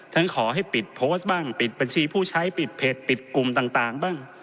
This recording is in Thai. ขอให้ปิดโพสต์บ้างปิดบัญชีผู้ใช้ปิดเพจปิดกลุ่มต่างบ้าง